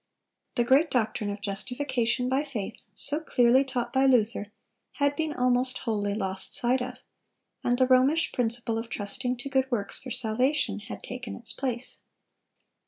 The great doctrine of justification by faith, so clearly taught by Luther, had been almost wholly lost sight of; and the Romish principle of trusting to good works for salvation, had taken its place.